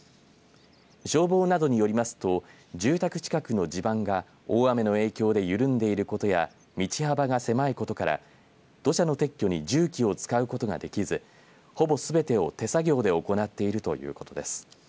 消防などによりますと住宅近くの地盤が大雨の影響で緩んでいることや道幅が狭いことから土砂の撤去に重機を使うことができずほぼすべてを手作業で行っているということです。